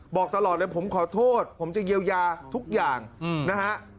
บอกตลอดเลยผมขอโทษผมจะเยียวยาทุกอย่างนะฮะ